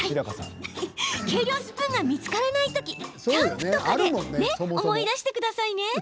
計量スプーンが見つからないとき思い出してくださいね。